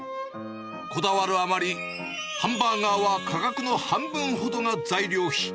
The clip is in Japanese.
こだわるあまり、ハンバーガーは価格の半分ほどが材料費。